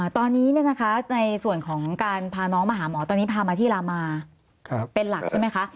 ตอนนี้ในส่วนของการพาน้องมาหาหมอตอนนี้พามาที่ลามาเป็นหลักใช่ไหมคะ